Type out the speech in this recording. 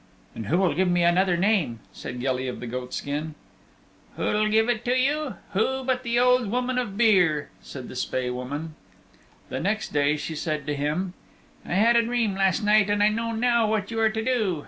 "And who will give me another name?" said Gilly of the Goatskin. "Who'll give it to you? Who but the Old Woman of Beare," said the Spae Woman. The next day she said to him, "I had a dream last night, and I know now what you are to do.